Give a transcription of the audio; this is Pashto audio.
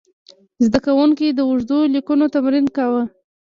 زده کوونکي د اوږدو لیکنو تمرین کاوه.